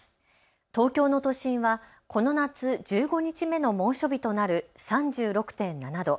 東京の都心はこの夏、１５日目の猛暑日となる３６．７度。